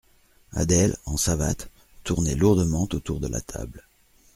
Adèle, en savates, tournait lourdement autour de la table.